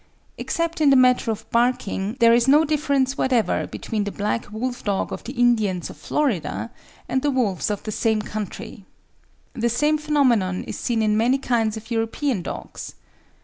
Except in the matter of barking, there is no difference whatever between the black wolf dog of the Indians of Florida and the wolves of the same country. The same phenomenon is seen in many kinds of European dogs.